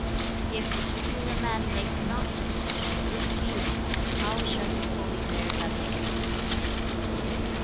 "If the 'superior man' make nought of social good feeling, how shall he fully bear that name?